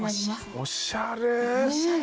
おしゃれ。